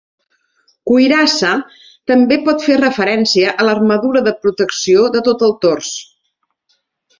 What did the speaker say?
"Cuirassa" també pot fer referencia a l'armadura de protecció de tot el tors.